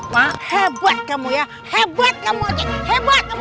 mak hebat kamu ya hebat kamu acing hebat kamu